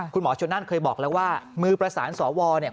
คุณหมอชนนั่นเคยบอกแล้วว่ามือประสานสวเนี่ย